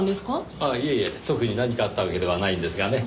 いえいえ特に何かあったわけではないんですがね。